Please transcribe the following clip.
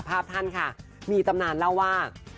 ภาพท่านค่ะมีตำนานเล่าว่า